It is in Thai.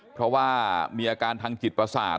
เพราะว่ามีอาการทางจิตประสาท